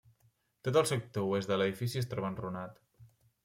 Tot el sector oest de l'edifici es troba enrunat.